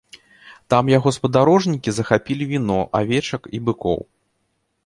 Там яго спадарожнікі захапілі віно, авечак і быкоў.